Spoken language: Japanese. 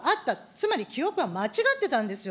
つまり記憶は間違ってたんですよ。